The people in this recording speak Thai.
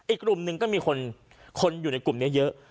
อีกกลุ่มหนึ่งก็มีคนอยู่ในกลุ่มนี้เยอะ